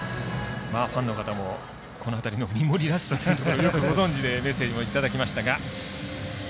ファンの方もこの辺りの三森らしさというのをよくご存じでメッセージいただきましたが。